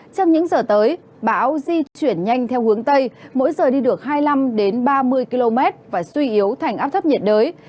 trong những giờ tới bão di chuyển nhanh theo hướng tây mỗi giờ đi được hai mươi năm ba mươi km và suy yếu thành áp thấp nhiệt đới